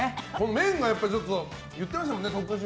麺が、言ってましたよね。